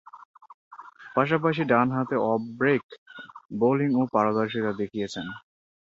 পাশাপাশি ডানহাতে off break বোলিংয়ে পারদর্শীতা দেখিয়েছেন।